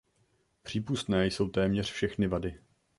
Přípustné jsou téměř všechny vady.